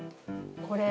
これ。